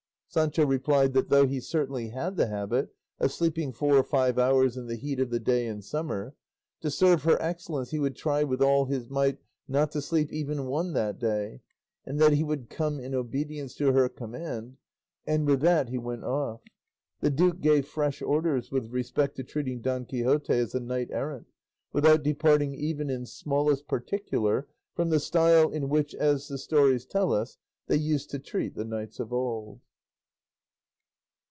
Sancho replied that, though he certainly had the habit of sleeping four or five hours in the heat of the day in summer, to serve her excellence he would try with all his might not to sleep even one that day, and that he would come in obedience to her command, and with that he went off. The duke gave fresh orders with respect to treating Don Quixote as a knight errant, without departing even in smallest particular from the style in which, as the stories tell us, they used to treat the knights of old.